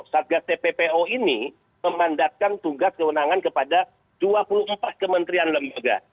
satgas tppo ini memandatkan tugas kewenangan kepada dua puluh empat kementerian lembaga